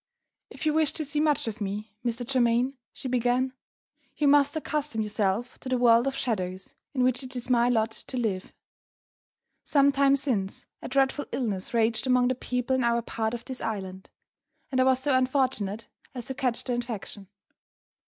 "If you wish to see much of me, Mr. Germaine," she began, "you must accustom yourself to the world of shadows in which it is my lot to live. Some time since, a dreadful illness raged among the people in our part of this island; and I was so unfortunate as to catch the infection.